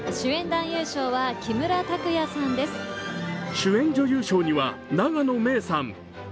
主演女優賞には永野芽郁さん。